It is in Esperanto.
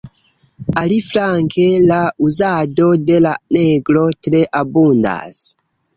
Aliflanke, la uzado de la negro tre abundas.